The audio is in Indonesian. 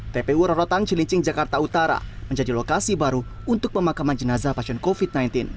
tpu rorotan cilincing jakarta utara menjadi lokasi baru untuk pemakaman jenazah pasien covid sembilan belas